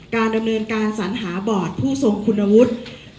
การดำเนินการสัญหาบอร์ดผู้ทรงคุณวุฒิ